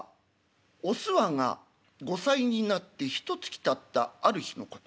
おすわが後妻になってひとつきたったある日のこと。